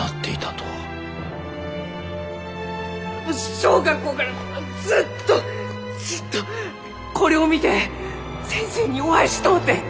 小学校からずっとずっとこれを見て先生にお会いしとうて！